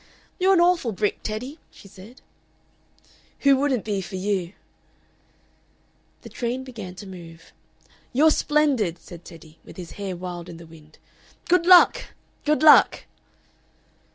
"You're an awful brick, Teddy!" she said. "Who wouldn't be for you?" The train began to move. "You're splendid!" said Teddy, with his hair wild in the wind. "Good luck! Good luck!"